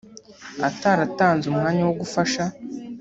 ataratanze umwanya wo gufasha